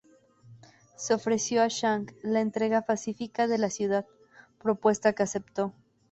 Se ofreció a Zhang la entrega pacífica de la ciudad, propuesta que aceptó.